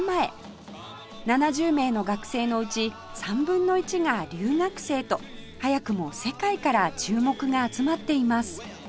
７０名の学生のうち３分の１が留学生と早くも世界から注目が集まっています